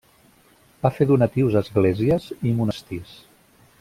Va fer donatius a esglésies i monestirs.